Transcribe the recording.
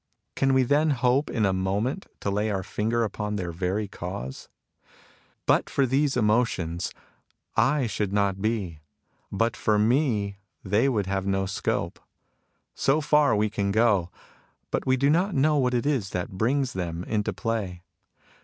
Can we then hope in a moment to lay our finger upon their very cause ?" But for these emotions, / should not be. But for me, they would have no scope. So far we can go ; but we do not know what it is that brings them into play.